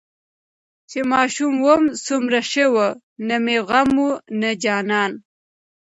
چې ماشوم وم سومره شه وو نه مې غم وو نه جانان.